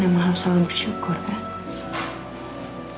emang harus selalu bersyukur kan